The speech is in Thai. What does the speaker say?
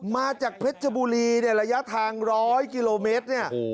มาจากเพชรบุรีระยะทาง๑๐๐กิโลเมตร